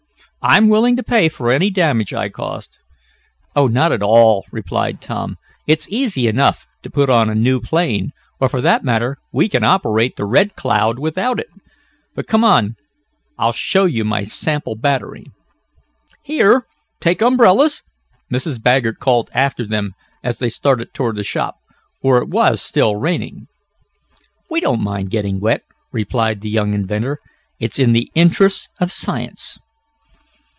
I'm willing to pay for any damage I caused." "Oh, not at all!" replied Tom. "It's easy enough to put on a new plane, or, for that matter, we can operate the Red Cloud without it. But come on, I'll show you my sample battery." "Here, take umbrellas!" Mrs. Baggert called after them as they started toward the shop, for it was still raining. "We don't mind getting wet," replied the young inventor. "It's in the interests of science."